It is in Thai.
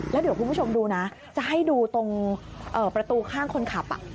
แล้วเดี๋ยวคุณผู้ชมดูนะจะให้ดูตรงประตูข้างคนขับ